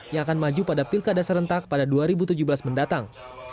yang akan maju pada pilkada serentak pada dua ribu tujuh belas mendatang